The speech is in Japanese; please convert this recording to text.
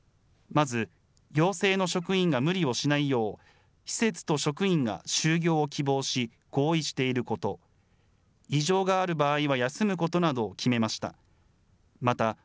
まず陽性の職員が無理をしないよう、施設と職員が就業を希望し、合意していること、異常がある場合は休むことなどを決めました。